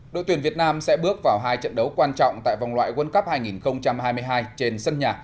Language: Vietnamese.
đội tuyển việt nam sẽ bước vào hai trận đấu quan trọng tại vòng loại world cup hai nghìn hai mươi hai trên sân nhà